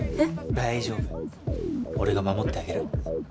大丈夫俺が守ってあげる。